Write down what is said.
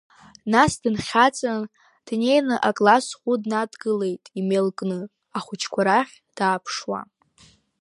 Нас дынхьаҵын, днеины аклассӷәы днадгылеит имел кны, ахәыҷқәа рахь дааԥшуа.